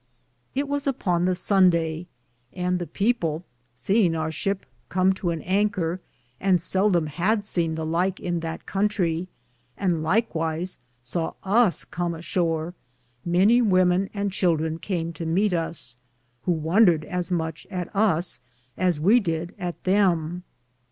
It was upon the Sondaye, and the people seinge our ship com to an anker, and seldum had sene the lyke in that contrie, and lykwyse saw us com a shore, many wemen and childrin came to meet us, who wondred as muche at us as we did at them.